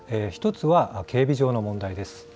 １つは警備上の問題です。